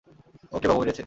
ওকে বাবু মেরেছে।